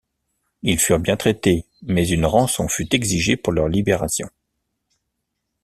Ils furent bien traités mais une rançon fut exigée pour leur libération.